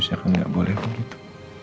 tapi harusnya kan gak boleh begitu